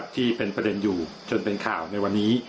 ที่เป็นประเด็นอยู่จนเป็นข่าวในวันนี้